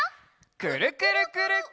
「くるくるくるっ」！